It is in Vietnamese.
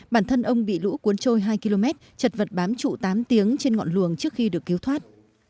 bản thân ông bị lũ cuốn trôi hai km chật vật bám trụ tám tiếng trên ngọn luồng trước khi được cứu thoát